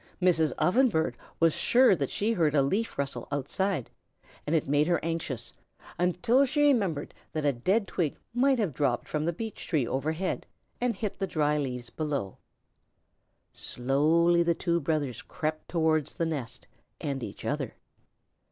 Mrs. Ovenbird was sure that she heard a leaf rustle outside, and it made her anxious until she remembered that a dead twig might have dropped from the beech tree overhead and hit the dry leaves below. Slowly the two brothers crept toward the nest and each other.